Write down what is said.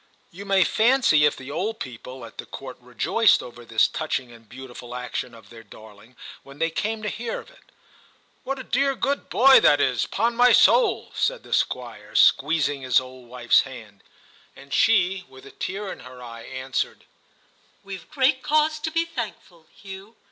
You may fancy if the old people at the Court re joiced over this touching and beautiful action of their darling when they came to hear of it, * What a dear good boy that is, upon my soul !* said the Squire, squeezing his old wife s hand ; and she, with a tear in her eye, answered. 38 TIM CHAP. 'WeVe great cause to be thankful, Hugh!